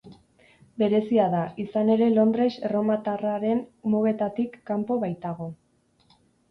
Berezia da, izan ere Londres erromatarraren mugetatik kanpo baitago.